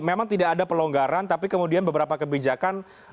memang tidak ada pelonggaran tapi kemudian beberapa kebijakan